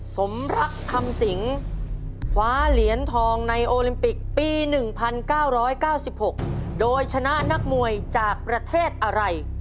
สมรักคำสิงคว้าเหรียญทองในโอลิมปิกปี๑๙๙๖โดยชนะนักมวยจากประเทศอะไร